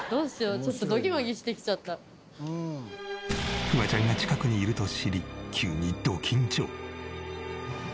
ちょっとフワちゃんが近くにいると知り急にド緊張。